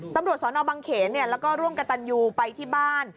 ตำรวจสรรค์อาวบังเขียแล้วก็ล่วงกัตตาลยูไปที่บ้าน